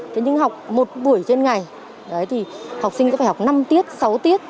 thế nhưng học một buổi trên ngày học sinh sẽ phải học năm tiết sáu tiết